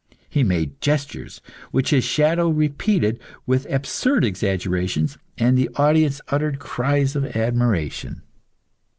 He made gestures, which his shadow repeated with absurd exaggerations, and the audience uttered cries of admiration.